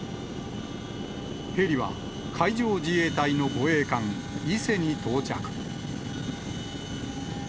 ヘリは海上自衛隊の護衛艦いせに到着。